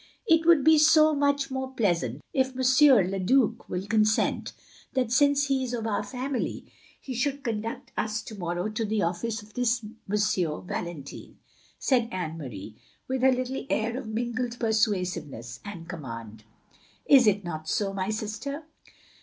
"It would be so much more pleasant, if M. le Due will consent, that, since he is of our family, he should conduct us to morrow to the oflfice of this M. Valentine," said Anne Marie, with her little air of mingled persuasiveness and command. "Is it not so, my sister?"